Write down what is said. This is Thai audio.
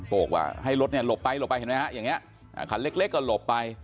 โปรกว่าให้รถหลบไปเห็นไหมครับอย่างนี้ขันเล็กก็หลบไป